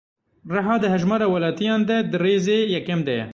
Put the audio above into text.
Riha di hejmara welatiyan de di rêze yekem de ye.